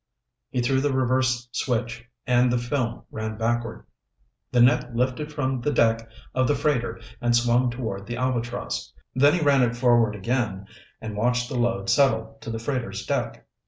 He threw the reverse switch and the film ran backward. The net lifted from the deck of the freighter and swung toward the Albatross. Then he ran it forward again and watched the load settle to the freighter's deck.